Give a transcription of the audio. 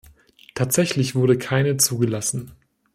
Tatsächlich wurden keine zugelassen.